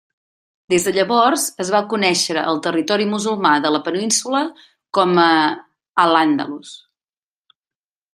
Des de llavors es va conèixer al territori musulmà de la península com a al-Àndalus.